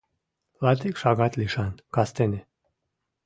Латик шагат лишан, кастене.